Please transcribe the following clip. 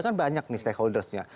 kan banyak nih stakeholders nya